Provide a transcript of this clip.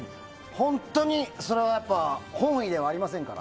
本当に、本意ではありませんから。